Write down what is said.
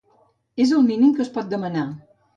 És el mínim que es pot demanar.